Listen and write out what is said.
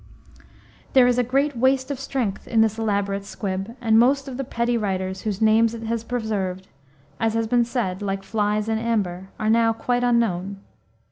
There is a great waste of strength in this elaborate squib, and most of the petty writers, whose names it has preserved, as has been said, like flies in amber, are now quite unknown.